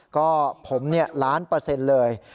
ก็ผมล้านเปอร์เซ็นต์เลย